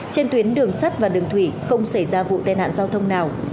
trên tuyến đường sắt và đường thủy không xảy ra vụ tai nạn giao thông nào